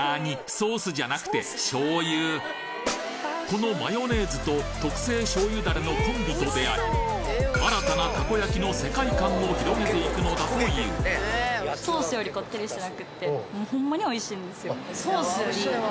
ソースじゃなくてこのマヨネーズと特製醤油ダレのコンビと出会い新たなたこ焼きの世界観を広げていくのだという私ら。